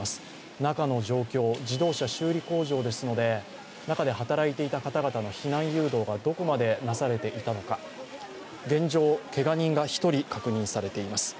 中の状況、自動車修理工場ですので中で働いていた方々の避難誘導がどこまでなされていたのか、現状、けが人が１人、確認されています。